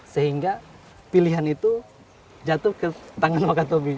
sehingga pilihan itu jatuh ke tangan wakatobi